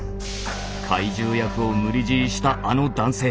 怪獣役を無理強いしたあの男性。